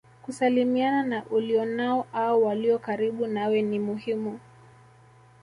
Kusalimiana na ulionao au walio karibu nawe ni muhimu